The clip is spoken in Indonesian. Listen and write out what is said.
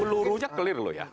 turutnya clear loh ya